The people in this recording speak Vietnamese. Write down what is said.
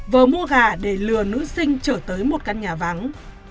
vờ mua gà để lừa nữ sinh trở tới một căn nhà vắng